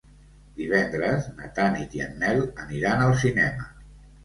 Divendres na Tanit i en Nel aniran al cinema.